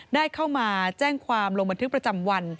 ได้เข้ามาแจ้งความลงบันทึกประจำวัน